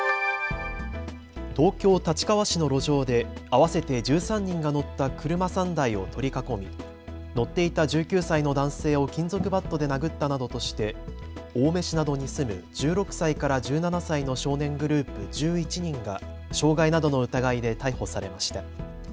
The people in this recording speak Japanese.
東京立川市の路上で合わせて１３人が乗った車３台を取り囲み乗っていた１９歳の男性を金属バットで殴ったなどとして青梅市などに住む１６歳から１７歳の少年グループ１１人が傷害などの疑いで逮捕されました。